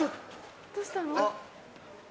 どうしたの？